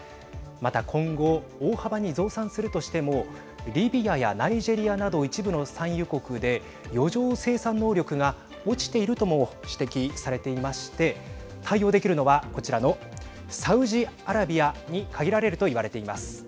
また今後、大幅に増産するとしてもリビアやナイジェリアなど一部の産油国で余剰生産能力が落ちているとも指摘されていまして対応できるのは、こちらのサウジアラビアに限られるといわれています。